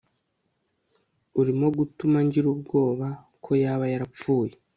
urimo gutuma ngira ubwoba ko yaba yarapfuye